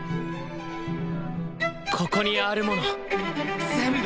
ここにあるもの全部！